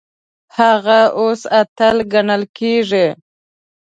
هغه اوس اتل ګڼل کیږي.